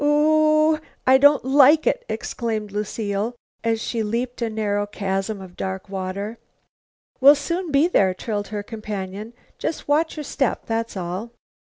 "Wo oo, I don't like it!" exclaimed Lucile, as she leaped a narrow chasm of dark water. "We'll soon be there," trilled her companion. "Just watch your step, that's all."